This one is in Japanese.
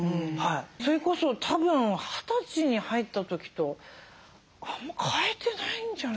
それこそたぶん二十歳に入った時とあんまり変えてないんじゃないかな。